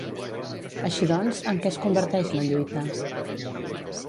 Així doncs, en què es converteix la lluita?